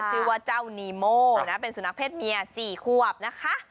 ชื่อว่าเจ้านีโม่นะเป็นสุนัขเพศเมีย๔ควบนะคะ